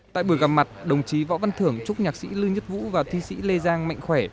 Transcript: tại buổi gặp mặt đồng chí võ văn thưởng chúc nhạc sĩ lưu nhất vũ và thi sĩ lê giang mạnh khỏe